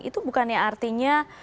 itu bukannya artinya